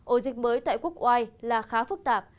ổ dịch mới tại quốc oai là khá phức tạp